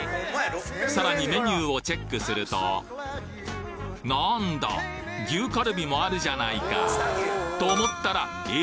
さらにメニューをチェックするとなぁんだ牛カルビもあるじゃないかと思ったらえ？